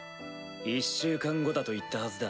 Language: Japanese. １週間後だと言ったはずだ。